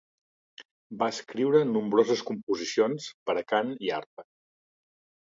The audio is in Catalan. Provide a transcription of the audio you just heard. Va escriure nombroses composicions per a cant i arpa.